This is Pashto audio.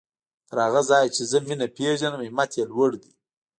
تر هغه ځايه چې زه مينه پېژنم همت يې لوړ دی.